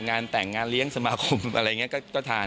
งานแต่งงานเลี้ยงสมาคมอะไรอย่างนี้ก็ทาน